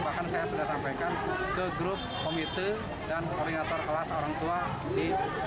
bahkan saya sudah sampaikan ke grup komite dan koordinator kelas orang tua di